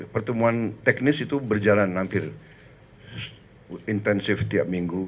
pertemuan teknis itu berjalan hampir intensif tiap minggu